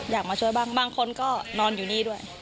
อยากมาช่วยบ้างบางคนก็นอนอยู่นี่ด้วย